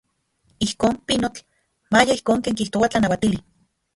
Ijkon, pinotl, maya ijkon ken kijtoa tlanauatili.